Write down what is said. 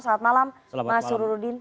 selamat malam mas sururudin